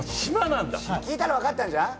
聞いたら分かったんじゃん？